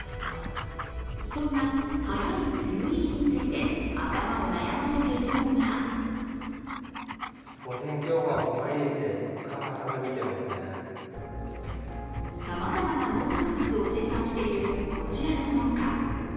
そんな早い梅雨入りについて頭を悩ませているのがさまざま農作物を生産している、こちらの農家。